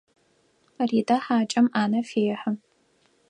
Ритэ хьакӏэм ӏанэ фехьы.